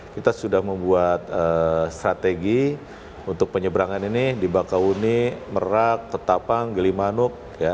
kita sudah membuat strategi untuk penyeberangan ini di bakauni merak ketapang gelimanuk